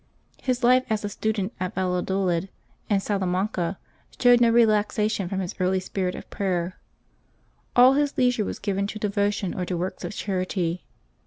His life as a student at Valladolid and Salamanca showed no relaxation from his early spirit of prayer. All his leisure was given to devo tion or to works of charity.